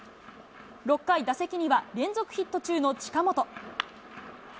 ６回、打席には連続ヒット中の近本。